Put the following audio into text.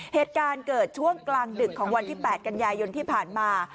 เหตุการณ์เกิดช่วงกลางดึกของวันที่๘กันยายนที่ผ่านมา